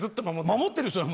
守ってるよ